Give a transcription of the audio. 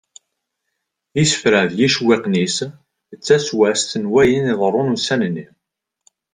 Isefra d yicewwiqen-is d ttaswast n wayen iḍeṛṛun ussan nni.